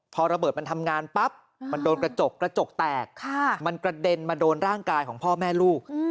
พอระเบิดมันทำงานปั๊บมันโดนกระจกกระจกแตกมันกระเด็นมาโดนร่างกายของพ่อแม่ลูก